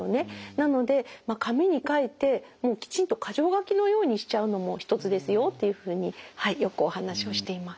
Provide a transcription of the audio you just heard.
なので紙に書いてもうきちんと箇条書きのようにしちゃうのも一つですよっていうふうによくお話をしています。